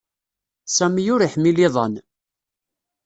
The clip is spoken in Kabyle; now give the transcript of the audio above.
Sami ur iḥmil iḍan